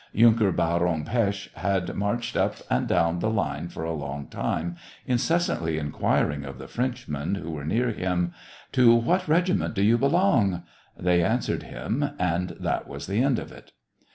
Yunker Baron Pesth had marched up and down the line for a long time, incessantly inquiring of 114 SEVASTOPOL IN MAY. the Frenchmen who were near him :" To what regiment do you belong ?" They answered him ; and that was the end of it.